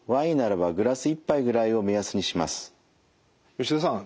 吉田さん